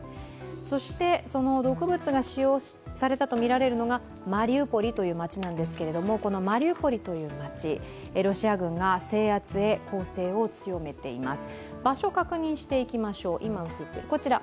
そしてその毒物が使用されたとみられるのがマリウポリという街なんですがこのマリウポリという街、ロシア軍が制圧へ攻勢を強めています。